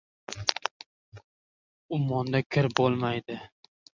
• Ummonda kir bo‘lmaydi.